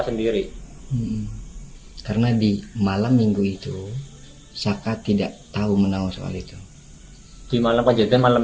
sendiri karena di malam minggu itu saka tidak tahu menau soal itu di malam aja dan malam